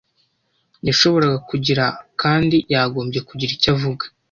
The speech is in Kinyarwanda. yashoboraga kugira kandi yagombye kugira icyo avuga.